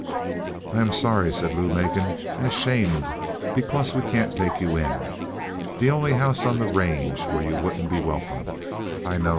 "I am sorry," said Lou Macon, "and ashamed because we can't take you in. The only house on the range where you wouldn't be welcome, I know.